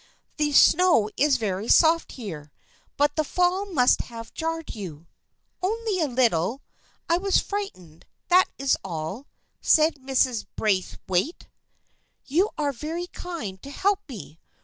" The snow is very soft here, but the fall must have jarred you." " Only a little. I was frightened, that is all," said Mrs. Braithwaite ;" you are very kind to help me.